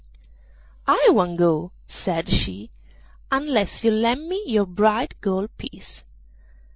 'I won't go,' said she, 'unless you lend me your bright gold piece.